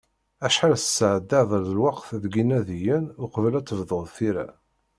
Acḥal tesεeddaḍ n lweqt deg inadiyen uqbel ad tebduḍ tira?